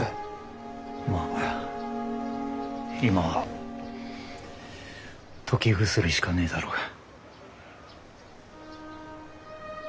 まあ今は時薬しかねえだろうが。